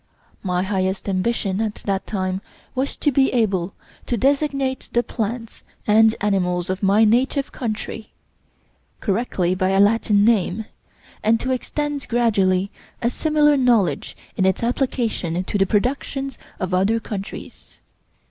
My highest ambition at that time, was to be able to designate the plants and animals of my native country correctly by a Latin name, and to extend gradually a similar knowledge in its application to the productions of other countries.